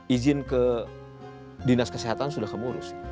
izin ke dinas kesehatan sudah kamu urus